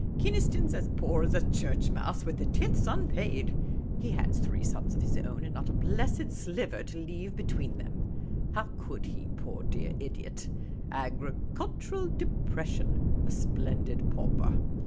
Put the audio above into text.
Kynaston 's as poor as a church mouse with the tithes unpaid ; he has three sons of his own, and not a blessed stiver to leave between them. How could he, poor dear idiot ? Agricultural depression ; a splendid pauper.